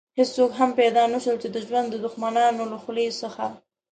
هېڅوک هم پيدا نه شول چې د ژوند د دښمنانو له خولې څخه.